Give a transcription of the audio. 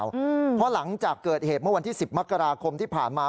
เพราะหลังจากเกิดเหตุเมื่อวันที่สิบมกราคมที่ผ่านมา